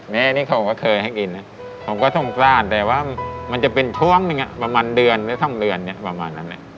แม่นี่เขาก็เคยให้กินนะผมก็ต้องกล้านแต่ว่ามันจะเป็นช่วงหนึ่งประมาณเดือนหรือ๒เดือนเนี่ยประมาณนั้นแหละ